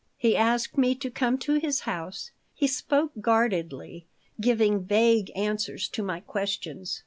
He asked me to come to his house. He spoke guardedly, giving vague answers to my questions.